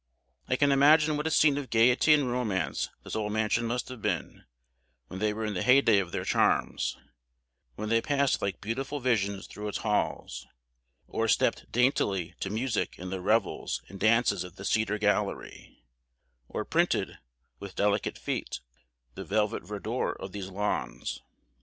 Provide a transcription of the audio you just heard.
I can imagine what a scene of gaiety and romance this old mansion must have been, when they were in the heyday of their charms; when they passed like beautiful visions through its halls, or stepped daintily to music in the revels and dances of the cedar gallery; or printed, with delicate feet, the velvet verdure of these lawns.